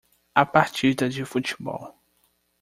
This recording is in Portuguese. A partida de futebol.